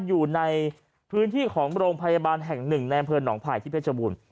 อยู่ในพื้นที่ของโรงพยาบาลแห่ง๑แอมพื้นหนองภัยที่เพชรบูรณ์